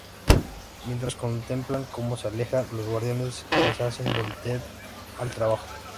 Mientras contemplan como se aleja, los guardias les hacen volver al trabajo.